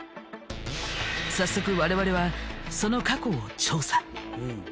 早速我々はその過去を調査。